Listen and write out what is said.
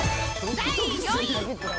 第４位。